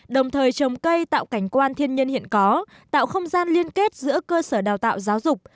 đồng thời trồng cây tạo cảnh quan thiên nhiên hiện có tạo không gian liên kết giữa cơ sở đào tạo giáo dục